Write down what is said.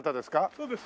そうです。